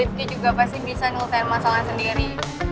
ribky juga pasti bisa nulkan masalah sendiri